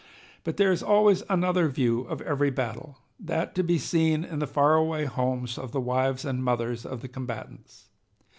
But there is always another view of every battle that to be seen in the faraway homes of the wives and mothers of the combatants.